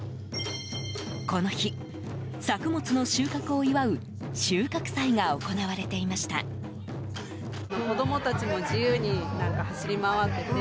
この日、作物の収穫を祝う収穫祭が行われていました。